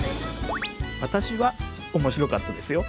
私は面白かったですよ。